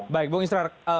baik bung israr